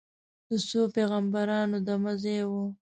د څو پیغمبرانو دمه ځای و.